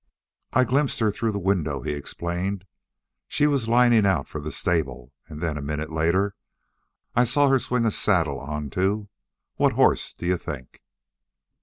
"I glimpsed her through the window," he explained. "She was lining out for the stable and then a minute later I saw her swing a saddle onto what horse d'you think?"